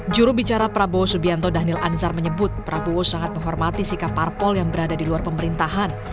jurubicara prabowo subianto daniel anzar menyebut prabowo sangat menghormati sikap parpol yang berada di luar pemerintahan